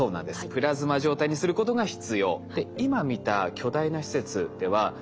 プラズマ状態にすることが必要。